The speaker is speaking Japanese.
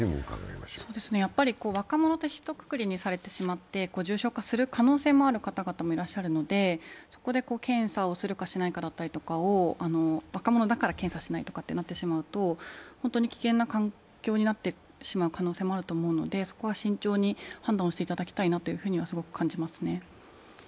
若者とひとくくりにされてしまって重症化する可能性もある方もいらっしゃるのでそこで検査をするか、しないかだったりとかを、若者だから検査しないとなってしまうと本当に危険な環境になってしまう可能性もあるのでそこは慎重に判断していただきたいとすごく感じますね。